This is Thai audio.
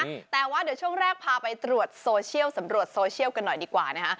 แต่ว่าแต่ว่าเดี๋ยวช่วงแรกพาไปตรวจโซเชียลกันหน่อยดีกว่านะคะ